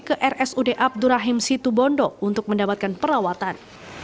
ke rsud abdurrahim situbondo untuk mendapatkan perawatan